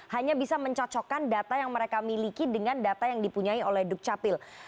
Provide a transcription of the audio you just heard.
hanya bisa mencocokkan data yang mereka miliki dengan data yang dipunyai oleh dukcapil